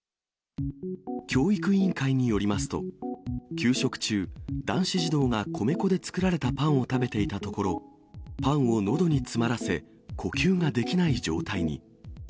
教育委員会によりますと、給食中、男子児童が米粉で作られたパンを食べていたところ、パンをのどに詰まらせ、呼吸ができない状態に。